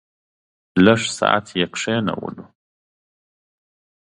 لږ ساعت یې کېنولو.